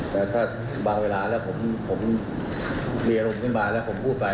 แต่ถ้าเบาเวลาแล้วผมมีอารมณ์ขึ้นมาแล้วผมพูดไป